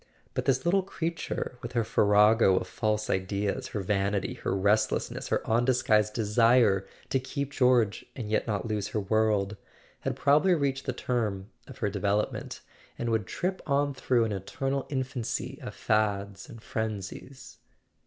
But this little creature, with her farrago of false ideas, her vanity, her restless¬ ness, her undisguised desire to keep George and yet not lose her world, had probably reached the term of her development, and would trip on through an eternal infancy of fads and frenzies.